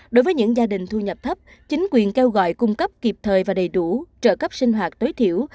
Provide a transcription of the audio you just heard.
đối với những gia đình thu nhập thấp chính quyền kêu gọi cung cấp kịp thời và đầy đủ trợ cấp sinh hoạt tối thiểu